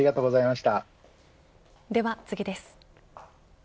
では次です。